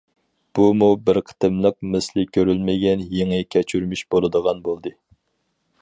بۇمۇ بىر قېتىملىق مىسلى كۆرۈلمىگەن يېڭى كەچۈرمىش بولىدىغان بولدى.